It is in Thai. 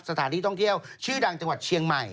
สถานที่ต้องเที่ยวอัฒน่าชื่อดังเจ้าหวัดเชียงใหม่